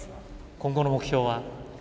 今後の目標は？